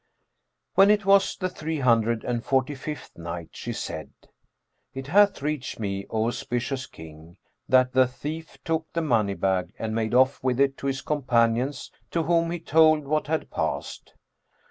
When it was the Three Hundred and Forty fifth Night, She said, It hath reached me, O auspicious King, that the thief took the money bag and made off with it to his companions to whom he told what had passed.